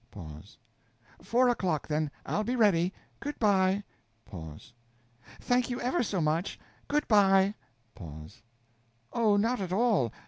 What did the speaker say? Pause. Four o'clock, then I'll be ready. good by. Pause. Thank you ever so much. good by. Pause. Oh, not at all!